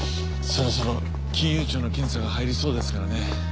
そろそろ金融庁の検査が入りそうですからね。